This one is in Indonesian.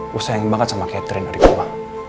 gue sayangin banget sama catherine dari gue